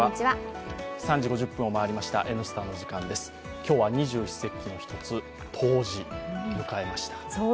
今日は二十四節気の一つ、冬至を迎えました。